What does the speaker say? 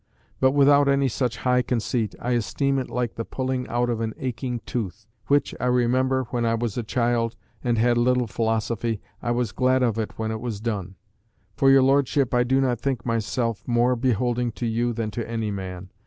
But without any such high conceit, I esteem it like the pulling out of an aching tooth, which, I remember, when I was a child, and had little philosophy, I was glad of when it was done. For your Lordship, I do think myself more beholding to you than to any man.